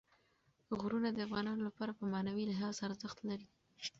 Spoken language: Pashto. غرونه د افغانانو لپاره په معنوي لحاظ ارزښت لري.